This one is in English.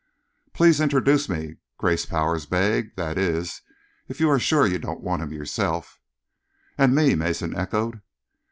"Please introduce me," Grace Powers begged, "that is, if you are sure you don't want him yourself." "And me," Mason echoed.